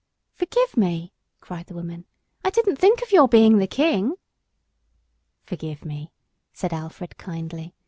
"Forgive me," cried the woman. "I didn't think of your being the King." "Forgive me," said Alfred, kindly.